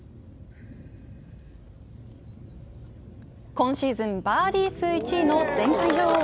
今シーズンバーディー数１位の前回女王